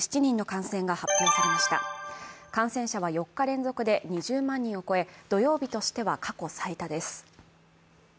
感染者は４日連続で２０万人を超え、土曜日としては過去最多です。